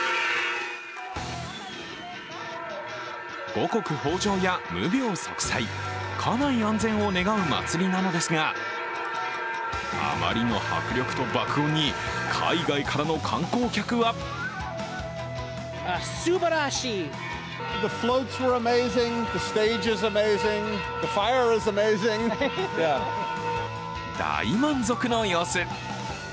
五穀豊穣や無病息災、家内安全を願う祭りなのですがあまりの迫力と爆音に海外からの観光客は大満足の様子。